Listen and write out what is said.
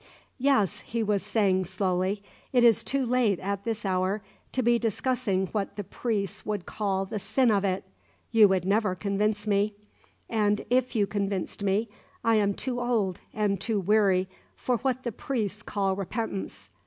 "Yes," he was saying slowly; "it is too late at this hour to be discussing what the priests would call the sin of it. You would never convince me; and if you convinced me, I am too old and too weary for what the priests call repentance.